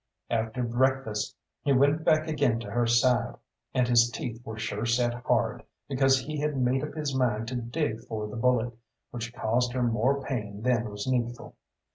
After breakfast he went back again to her side, and his teeth were sure set hard, because he had made up his mind to dig for the bullet, which caused her more pain than was needful.